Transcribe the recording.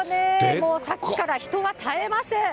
もうさっきから人が絶えません。